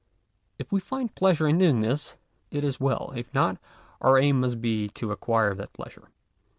If we find pleasure in doing this, it is well ; if not, our aim must be to acquire that pleasure.